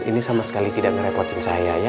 ini sama sekali tidak ngerepotin saya ya